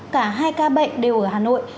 cả hai ca bệnh đều ở hà nội